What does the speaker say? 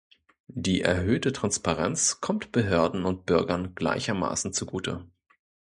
Die erhöhte Transparenz kommt Behörden und Bürgern gleichermaßen zugute.